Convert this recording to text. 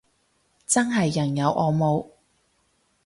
真係人有我冇